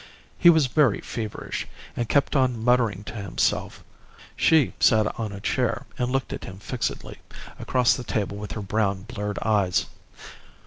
"He was very feverish, and kept on muttering to himself. She sat on a chair and looked at him fixedly across the table with her brown, blurred eyes.